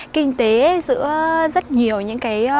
kinh tế giữa rất nhiều